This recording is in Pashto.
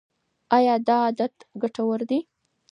ایا دا عادت ګټور دی؟